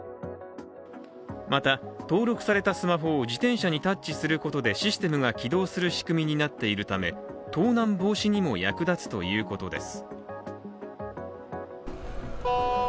また、登録されたスマホを自転車にタッチすることで、システムが起動する仕組みになっているため盗難防止にも役立つということです。